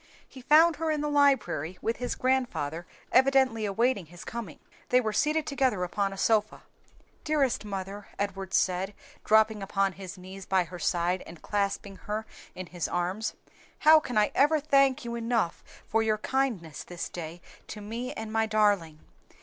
He found her in the library with his grandfather evidently awaiting his coming. They were seated together upon a sofa. "Dearest mother," Edward said, dropping upon his knees by her side and clasping her in his arms, "how can I ever thank you enough for your kindness this day to me and my darling!